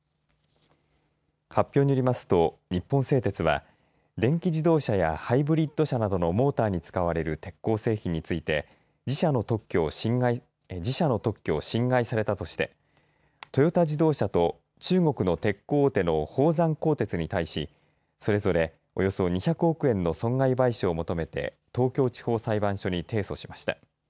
発表によりますと日本製鉄は電気自動車やハイブリッド車などのモーターに使われる鉄鋼製品について自社の特許を侵害されたとしてトヨタ自動車と中国の鉄鋼大手の宝山鋼鉄に対しそれぞれ、およそ２００億円の損害賠償を求めて東京地方裁判所に提訴しました。